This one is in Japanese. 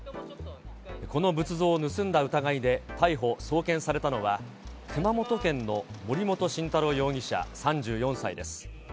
この仏像を盗んだ疑いで逮捕・送検されたのは、熊本県の森本晋太郎容疑者３４歳です。